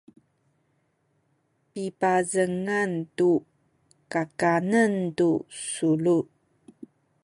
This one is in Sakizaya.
pipazengan tu kakanen ku sulu